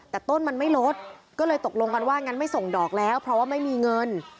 แต่ต้นมันไม่ลดก็เลยตกลงกันว่างั้นไม่ส่งดอกแล้วเพราะว่าไม่มีเงิน